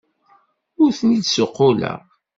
Ur ten-id-ssuqquleɣ.